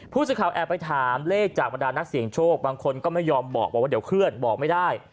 แอบไปถามเลขจากบรรดานักเสี่ยงโชคบางคนก็ไม่ยอมบอกว่าเดี๋ยวเคลื่อนบอกไม่ได้